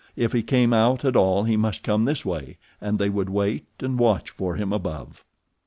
If he came out at all he must come this way, and they would wait and watch for him above.